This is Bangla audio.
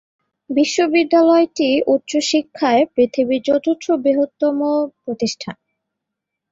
বিশ্ববিদ্যালয়টি উচ্চশিক্ষায় পৃথিবীর চতুর্থ বৃহত্তম প্রতিষ্ঠান।